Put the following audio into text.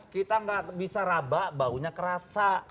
kita nggak bisa rabak baunya kerasa